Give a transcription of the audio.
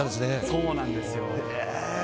そうなんです。